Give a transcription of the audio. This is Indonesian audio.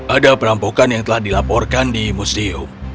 ada perampokan yang telah dilaporkan di museum